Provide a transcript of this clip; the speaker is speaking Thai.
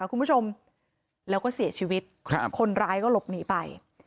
คุณผู้ชมแล้วก็เสียชีวิตคนร้ายก็หลบหนีไป